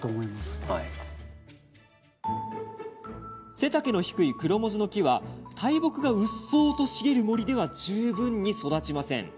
背丈の低いクロモジの木は大木がうっそうとしげる森では十分に育ちません。